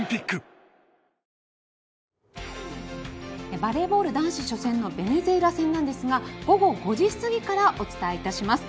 バレーボール男子初戦のベネズエラ戦なんですが午後５時過ぎからお伝えいたします。